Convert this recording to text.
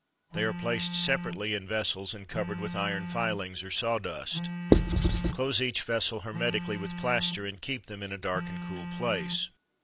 They are placed separately in vessels, and covered with iron filings, or saw dust. Close each vessel hermetically with plaster, and keep them in a dark and cool place.